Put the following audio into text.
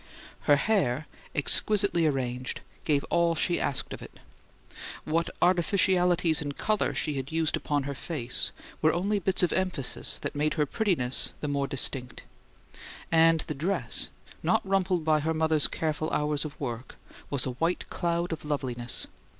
Her hair, exquisitely arranged, gave all she asked of it; what artificialities in colour she had used upon her face were only bits of emphasis that made her prettiness the more distinct; and the dress, not rumpled by her mother's careful hours of work, was a white cloud of loveliness.